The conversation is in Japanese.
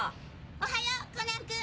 おはようコナンくん。